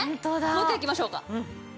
もう一回いきましょうか。